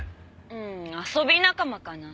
うん遊び仲間かな。